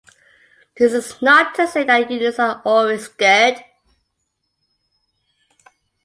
This is not to say that unions are always good.